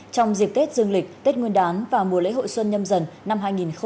trong dịp tết dương lịch tết nguyên đán và mùa lễ hội xuân nhâm dần năm hai nghìn hai mươi